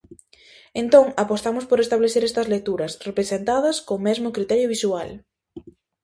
Entón apostamos por establecer estas lecturas representadas co mesmo criterio visual.